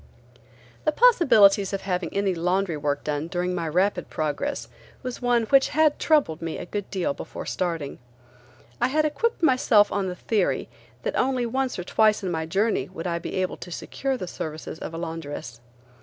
The possibilities of having any laundry work done during my rapid progress was one which had troubled me a good deal before starting. I had equipped myself on the theory that only once or twice in my journey would I be able to secure the services of a laundress.